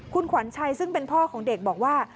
คุณขวัญชัยซึ่งเป็นพ่อของเด็กบอกว่า